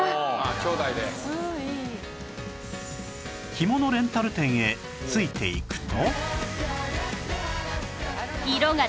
着物レンタル店へついて行くと